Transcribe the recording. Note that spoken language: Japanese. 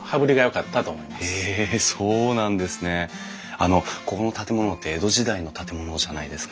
あのここの建物って江戸時代の建物じゃないですか。